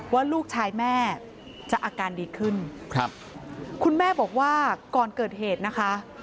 ว่าลูกชายแม่จะอาการดีขึ้นครับคุณแม่บอกว่าก่อนเกิดเหตุนะคะ